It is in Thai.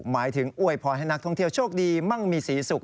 หมายถึงอวยพรให้นักท่องเที่ยวโชคดีมั่งมีสีสุข